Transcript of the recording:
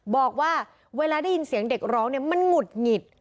บอกว่าเวลาได้ยินเสียงเด็กร้องเนี่ยมันหงุดหงิด